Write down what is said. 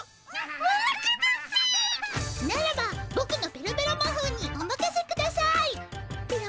ならばボクのペロペロまほうにおまかせくださいっ！